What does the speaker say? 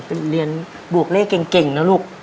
เป็นเรียนบวกเลขเก่งนะลูก